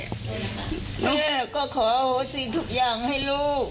แม่ก็ขอเอาโหสีทุกอย่างให้ลูก